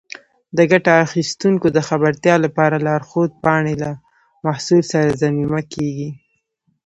د ګټه اخیستونکو د خبرتیا لپاره لارښود پاڼې له محصول سره ضمیمه کېږي.